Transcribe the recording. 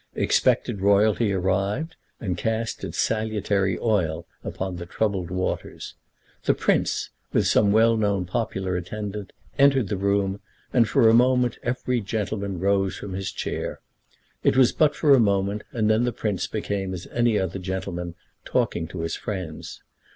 Expected Royalty arrived, and cast its salutary oil upon the troubled waters. The Prince, with some well known popular attendant, entered the room, and for a moment every gentleman rose from his chair. It was but for a moment, and then the Prince became as any other gentleman, talking to his friends.